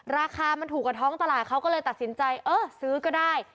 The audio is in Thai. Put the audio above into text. ราคามันถูกกว่าท้องตลาดเขาก็เลยตัดสินใจเออซื้อก็ได้